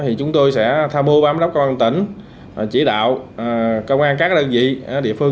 thì chúng tôi sẽ tham mưu bám đốc công an tỉnh chỉ đạo công an các đơn vị địa phương